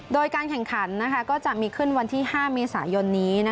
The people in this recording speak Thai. โดยการแข่งขันก็จะมีขึ้นวันที่๕เมษายนนี้